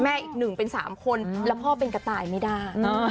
แม่หนึ่งเป็นสามคนแล้วพ่อเป็นกระต่ายไม่ได้